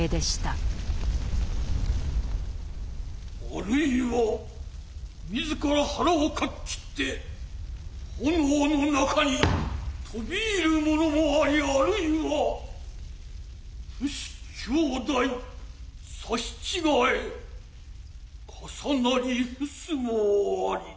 「あるいは自ら腹を掻き截つて炎の中に飛び入る者もありあるいは父子兄弟さし違へ重なり臥すもあり」。